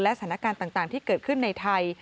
และสถานการณ์ต่างที่เกิดขึ้นในไทย